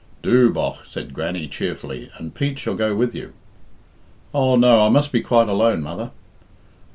"Do, bogh," said Grannie cheerfully, "and Pete shall go with you." "Oh, no; I must be quite alone, mother."